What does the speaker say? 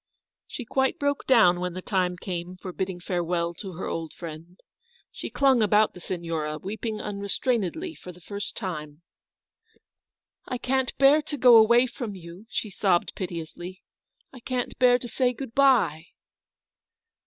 She quite broke down when the time came for bidding farewell to her old friend. She clung about the Signora, weeping unrestrainedly for the first time. "I can't bear to go away from you," she sobbed piteously, " I can't bear to say good by."